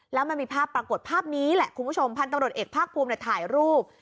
แล้วมันมีภาพปรากฏภาพนี้แหละคุณผู้ชมพันธุ์ตำรวจเอกภาคภูมิถ่ายรูป